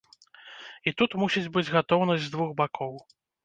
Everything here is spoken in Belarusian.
І тут мусіць быць гатоўнасць з двух бакоў.